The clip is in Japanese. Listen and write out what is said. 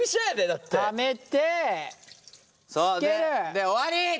で終わり！